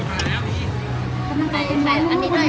โอเคเอ้าพี่